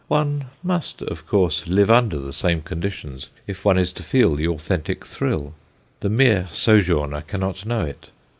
One must, of course, live under the same conditions if one is to feel the authentic thrill; the mere sojourner cannot know it.